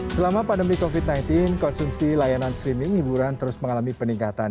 selama pandemi covid sembilan belas konsumsi layanan streaming hiburan terus mengalami peningkatan